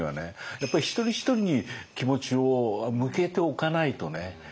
やっぱりひとりひとりに気持ちを向けておかないとね